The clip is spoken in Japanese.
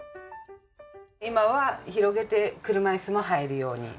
今は広げて車椅子も入るように。